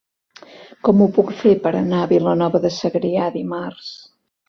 Com ho puc fer per anar a Vilanova de Segrià dimarts?